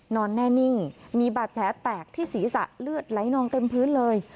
นอนแน่นิ่งมีบาดแผลแตกที่ศีรษะเลือดไหลนองเต็มพื้นเลย